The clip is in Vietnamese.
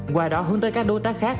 qua đó hướng tới các đối tác khác